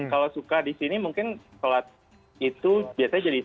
kalau suka di sini mungkin sholat itu biasanya jadi